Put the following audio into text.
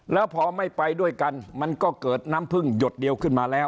แล้วพอไม่ไปด้วยกันมันก็เกิดน้ำพึ่งหยดเดียวขึ้นมาแล้ว